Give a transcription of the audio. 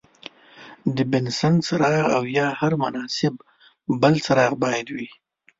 د بنسن څراغ او یا هر مناسب بل څراغ باید وي.